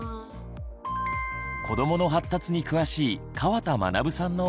子どもの発達に詳しい川田学さんのアドバイスは。